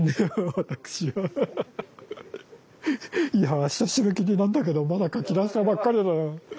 いや明日締め切りなんだけどまだ書き出したばっかりだよ。